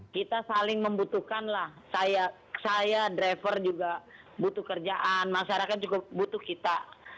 kita saling membutuhkan lah saya driver juga butuh kerjaan masyarakat cukup butuh kita